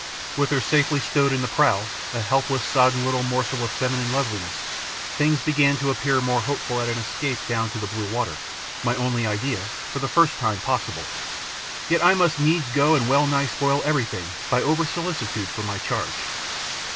With her safely stowed in the prow, a helpless, sodden little morsel of feminine loveliness, things began to appear more hopeful and an escape down to blue water, my only idea, for the first time possible. Yet I must needs go and well nigh spoil everything by over solicitude for my charge.